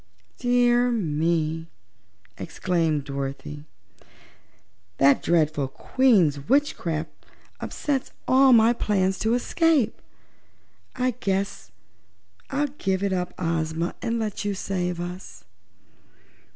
"Dear me!" exclaimed Dorothy, "that dreadful Queen's witchcraft upsets all my plans to escape. I guess I'll give it up, Ozma, and let you save us."